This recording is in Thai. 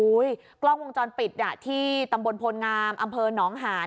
กล้องวงจรปิดที่ตำบลโพลงามอำเภอหนองหาน